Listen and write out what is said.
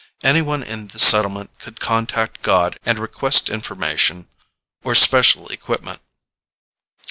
Anyone in the settlement could contact god and request information or special equipment.